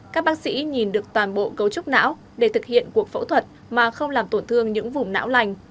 các bác sĩ nhìn được toàn bộ cấu trúc não để thực hiện cuộc phẫu thuật mà không làm tổn thương những vùng não lành